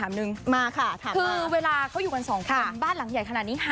ถูกต้องแล้วนะ